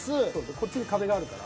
こっちに壁があるから。